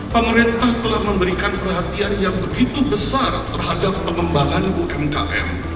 pemerintah telah memberikan perhatian yang begitu besar terhadap pengembangan umkm